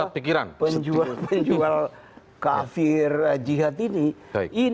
penjual penjual kafir jihad ini